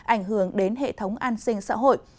ảnh hưởng đến hệ thống an sinh xã hội